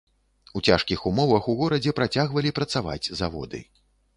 У цяжкіх умовах у горадзе працягвалі працаваць заводы.